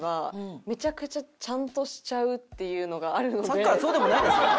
さっきからそうでもないですよ。